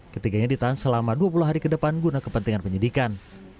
ketiganya ditahan selama dua puluh hari ke depan guna kepentingan penyidikan